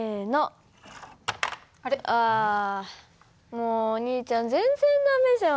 もうお兄ちゃん全然駄目じゃん。